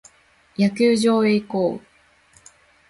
野球場へ移行。